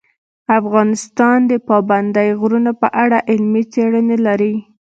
افغانستان د پابندی غرونه په اړه علمي څېړنې لري.